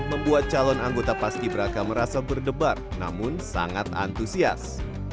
membuat calon anggota paski beraka merasa berdebar namun sangat antusias